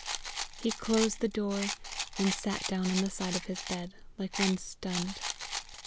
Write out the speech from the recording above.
He closed the door, and sat down on the side of his bed like one stunned.